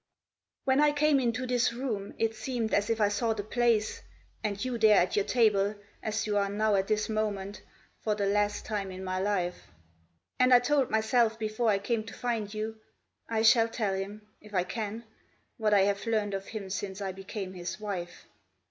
"When I came into this room, It seemed as if I saw the place, and you there at your table, As you are now at this moment, for the last time in my life; And I told myself before I came to find you, `I shall tell him, If I can, what I have learned of him since I became his wife.'